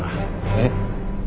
えっ？